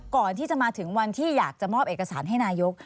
ก่อนที่จะมาถึงวันที่อยากจะมอบเอกสารให้นายก